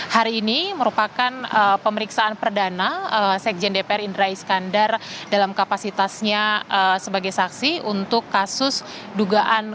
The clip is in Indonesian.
hari ini merupakan pemeriksaan perdana sekjen dpr indra iskandar dalam kapasitasnya sebagai saksi untuk kasus dugaan